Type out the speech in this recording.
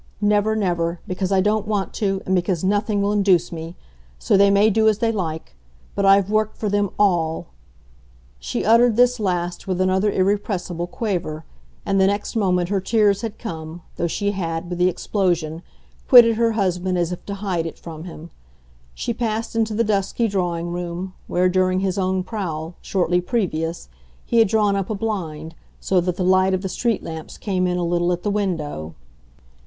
Never, never because I don't want to, and because nothing will induce me. So they may do as they like. But I've worked for them ALL" She uttered this last with another irrepressible quaver, and the next moment her tears had come, though she had, with the explosion, quitted her husband as if to hide it from him. She passed into the dusky drawing room, where, during his own prowl, shortly previous, he had drawn up a blind, so that the light of the street lamps came in a little at the window.